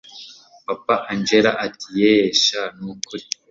papa angella ati yeeeh sh nukuri